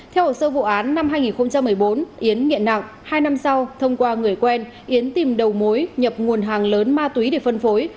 theo hồ sơ vụ án năm hai nghìn một mươi bốn yến nghiện nặng hai năm sau thông qua người quen yến tìm đầu mối nhập nguồn hàng lớn ma túy để phân phối